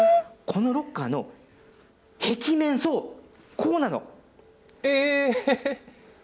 このロッカーの壁面、そう、こうなの。